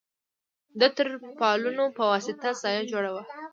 د تر پالونو په وسطه سایه جوړه وه.